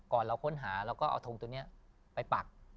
เราค้นหาเราก็เอาทงตัวนี้ไปปัก